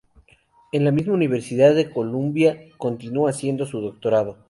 En la misma universidad de Columbia continuó haciendo su doctorado.